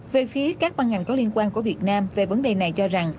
về phía các ban ngành có liên quan của việt nam về vấn đề này cho rằng